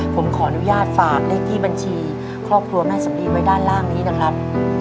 ผมขออนุญาตฝากเลขที่บัญชีครอบครัวแม่สำลีไว้ด้านล่างนี้นะครับ